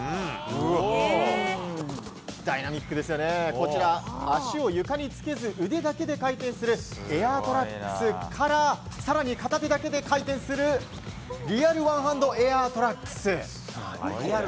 こちら足を床につけず腕だけで回転するエアートラックスから更に片手だけで回転するリアルワンハンドエアートラックス。